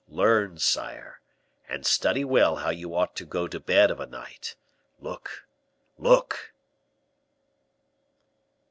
Learn, sire, and study well how you ought to go to bed of a night. Look! look!"